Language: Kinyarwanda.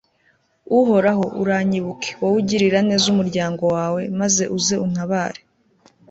uhoraho, uranyibuke, wowe ugirira neza umuryango wawe, maze uze untabare